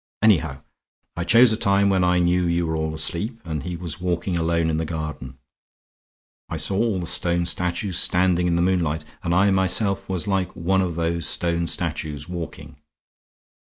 Anyhow, I chose a time when I knew you were all asleep, and he was walking alone in the garden. I saw all the stone statues standing in the moonlight; and I myself was like one of those stone statues walking.